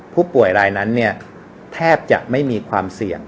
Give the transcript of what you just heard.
ผู้ป่วยรายนั้นแทบจะไม่มีความเสี่ยง